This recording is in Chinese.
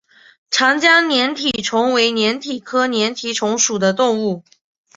长江粘体虫为粘体科粘体虫属的动物。